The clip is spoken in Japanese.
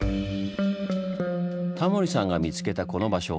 タモリさんが見つけたこの場所